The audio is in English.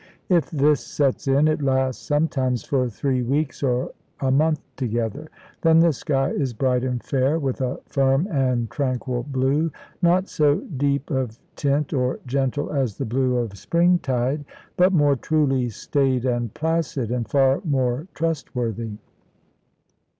If this sets in, it lasts sometimes for three weeks or a month together. Then the sky is bright and fair, with a firm and tranquil blue, not so deep of tint or gentle as the blue of spring tide, but more truly staid and placid, and far more trustworthy.